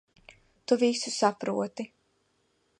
Tu visu saproti.